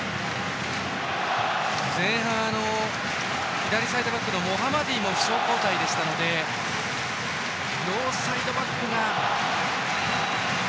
前半左サイドバックのモハマディも負傷交代でしたので両サイドバックが。